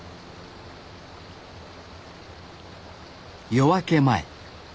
夜明け前